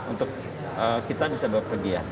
untuk kita bisa bawa kegiatan